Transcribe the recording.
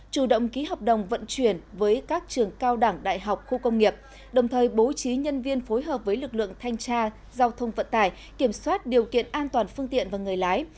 chủ động ký hợp đồng vận chuyển với các trường cao đẳng đại học khu công nghiệp đồng thời bố trí nhân viên phối hợp với lực lượng thanh tra giao thông vận tải kiểm soát điều kiện an toàn phương tiện và người lái